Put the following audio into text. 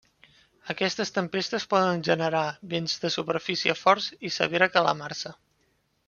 Aquestes tempestes poden generar vents de superfície forts i severa calamarsa.